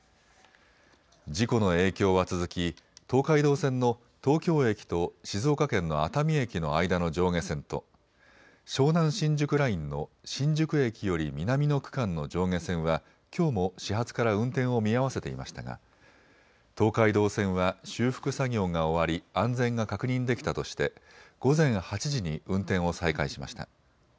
事故の影響は続き、東海道線の東京駅と静岡県の熱海駅の間の上下線と湘南新宿ラインの新宿駅より南の区間の上下線はきょうも始発から運転を見合わせていましたが東海道線は修復作業が終わり安全が確認できたとして午前８時に運転を再開しました。